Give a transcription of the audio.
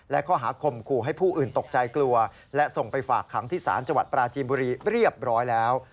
และข้อหาคมขู่ให้ผู้อื่นตกใจกลัวและส่งไปฝากขังที่ศาลจังหวัดปราจีนบุรีเรียบร้อยแล้ว